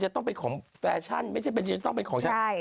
ต้องเป็นของแฟชั่นไม่จำเป็นจะต้องเป็นของฉัน